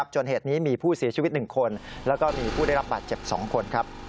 จนเหตุนี้มีผู้เสียชีวิต๑คนแล้วก็มีผู้ได้รับบาดเจ็บ๒คน